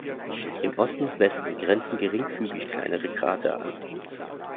Im Osten und Westen grenzen geringfügig kleinere Krater an.